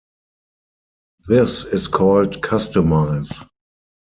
This is called customize.